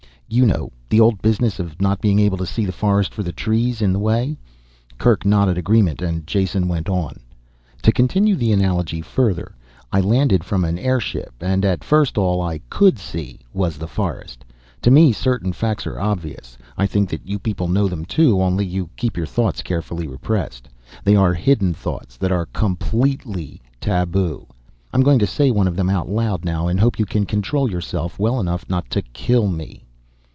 You know, the old business of not being able to see the forest for the trees in the way." Kerk nodded agreement and Jason went on. "To continue the analogy further, I landed from an airship, and at first all I could see was the forest. To me certain facts are obvious. I think that you people know them too, only you keep your thoughts carefully repressed. They are hidden thoughts that are completely taboo. I am going to say one of them out loud now and hope you can control yourself well enough to not kill me."